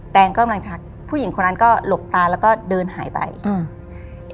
แนนกำลังชักผู้หญิงคนนั้นก็หลบตาแล้วก็เดินหายไปอืม